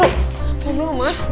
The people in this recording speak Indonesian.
tunggu dulu mah